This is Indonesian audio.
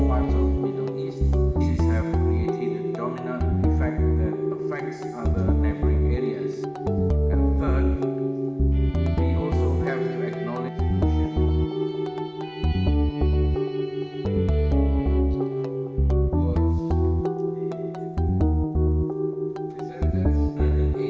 yang memiliki kekuatan yang sangat tinggi